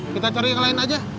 kita cari yang lain aja